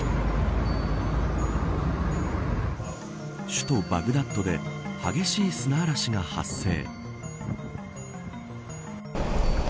首都バグダッドで激しい砂嵐が発生。